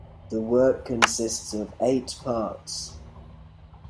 The work consists of eight parts.